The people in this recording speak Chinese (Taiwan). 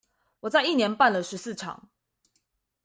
我在一年內辦了十四場